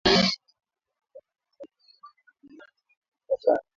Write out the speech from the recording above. Dalili za ugonjwa wa minyoo kwa mbuzi ni kuvimba taya